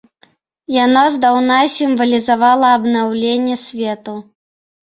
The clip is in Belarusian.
Яно здаўна сімвалізавала абнаўленне свету.